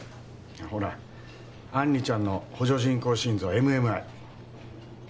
ほら杏里ちゃんの補助人工心臓ＭＭＩ